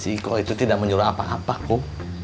si iko itu tidak menyuruh apa apa kum